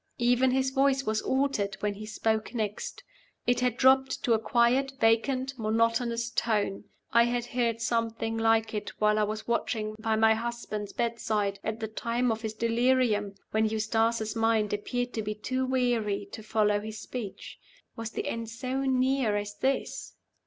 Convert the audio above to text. Even his voice was altered when he spoke next. It had dropped to a quiet, vacant, monotonous tone. I had heard something like it while I was watching by my husband's bedside, at the time of his delirium when Eustace's mind appeared to be too weary to follow his speech. Was the end so near as this?